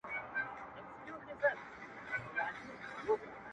هغه هغه پخوا چي يې شپېلۍ ږغول~